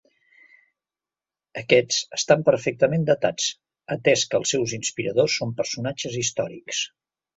Aquests estan perfectament datats, atès que els seus inspiradors són personatges històrics.